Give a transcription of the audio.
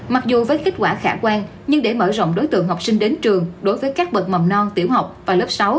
mặc dù với kết quả khả quan nhưng để mở rộng đối tượng học sinh đến trường đối với các bậc mầm non tiểu học và lớp sáu